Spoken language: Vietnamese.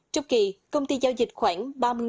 trong kỳ công ty giao dịch khoảng